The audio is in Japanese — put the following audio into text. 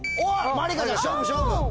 まりかちゃん勝負勝負。